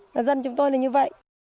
và dân chúng tôi là như vậy